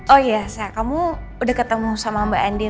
oh iya sa kamu udah ketemu sama mbak andien lho